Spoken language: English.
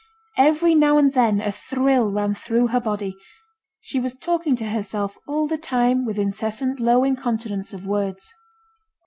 Every now and then a thrill ran through her body: she was talking to herself all the time with incessant low incontinence of words.